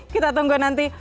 kita tunggu nanti